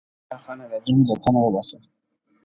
نه كيږي ولا خانه دا زړه مـي لـه تن وبــاسـه.